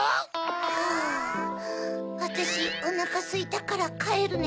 ハァわたしおなかすいたからかえるね。